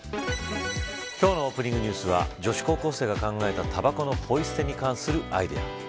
今日のオープニングニュースは女子高校生が考えた、たばこのポイ捨てに関するアイデア。